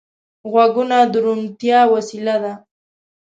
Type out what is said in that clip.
غوږونه د روڼتیا وسیله ده